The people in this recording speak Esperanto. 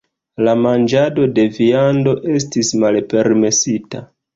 La manĝado de viando estis malpermesita.